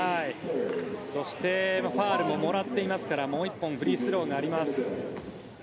そしてファウルももらっていますからもう１本フリースローがあります。